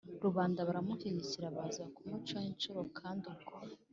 rubanda baramushikiraga, baza kumucaho inshuro; kandi ubwo